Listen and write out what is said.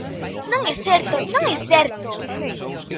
Non é certo, non é certo.